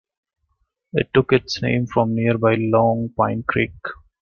It took its name from nearby Long Pine Creek.